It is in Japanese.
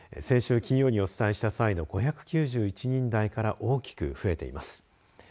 先週金曜にお伝えした際の５９１人台から大きく増えています。